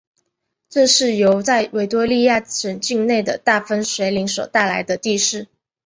这是由在维多利亚省境内的大分水岭所带来的地势。